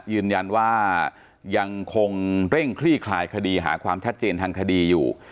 ยืนยันว่ายังคงเร่งคลี่คลายคดีหาความชัดเจนทางคดีอยู่